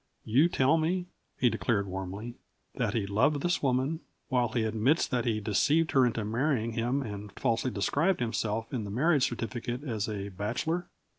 "You tell me," he declared warmly, "that he loved this woman, while he admits that he deceived her into marrying him and falsely described himself in the marriage certificate as a bachelor."